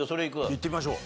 いってみましょう。